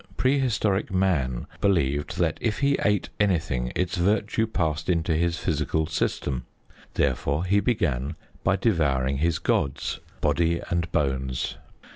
Prehistoric man believed that if he ate anything its virtue passed into his physical system. Therefore he began by devouring his gods, body and bones.